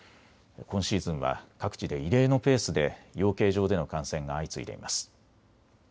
今シーズンは各地で異例のペースで養鶏場での感染が相次いでいます。